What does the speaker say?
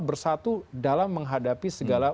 bersatu dalam menghadapi segala